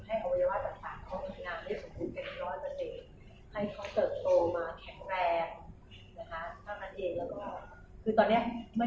ให้เอาไว้ว่าจะฝากเขาถึงน้ำ